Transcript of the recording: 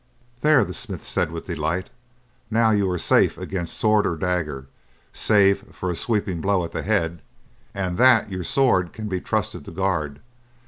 "There!" the smith said with delight. "Now you are safe against sword or dagger, save for a sweeping blow at the head, and that your sword can be trusted to guard.